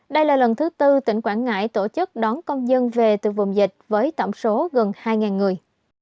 đây là lần thứ tư tỉnh quảng ngãi tổ chức đón công dân về từ vùng dịch với tổng số gần hai người